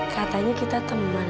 katanya kita teman